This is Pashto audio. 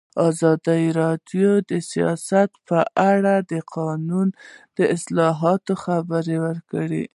ازادي راډیو د سیاست په اړه د قانوني اصلاحاتو خبر ورکړی.